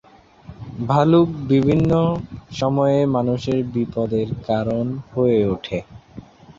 ভালুক বিভিন্ন সময়ে মানুষের বিপদের কারণ হয়ে ওঠে।